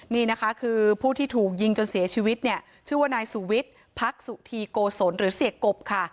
นี่นะคะคือผู้ที่ถูกยิงจนเสียชีวิตเนี่ยชื่อว่านายสุวิทย์พักสุธีโกศลหรือเสียกบค่ะ